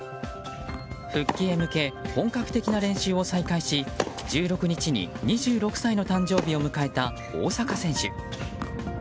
復帰へ向け本格的な練習を再開し１６日に２６歳の誕生日を迎えた大坂選手。